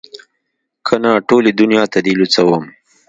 که نه ټولې دونيا ته دې لوڅوم.